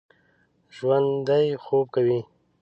ژوندي خوب کوي